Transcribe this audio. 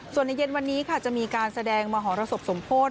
ส่วนในเย็นวันนี้ค่ะจะมีการแสดงมหรสบสมโพธิ